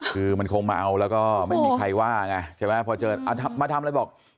คือมันคงมาเอาแล้วก็ไม่มีใครว่าไงใช่ไหมพอเจอมาทำอะไรบอก